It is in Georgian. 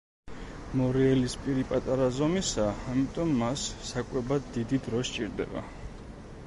მორიელის პირი პატარა ზომისაა, ამიტომ მას საკვებად დიდი დრო სჭირდება.